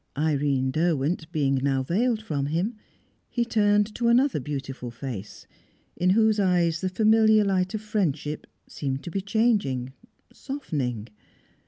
Irene Derwent being now veiled from him, he turned to another beautiful face, in whose eyes the familiar light of friendship seemed to be changing, softening.